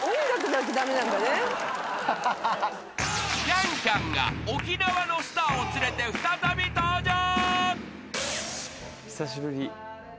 ［キャン×キャンが沖縄のスターを連れて再び登場］